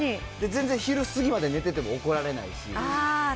全然昼過ぎまで寝てても怒られないし。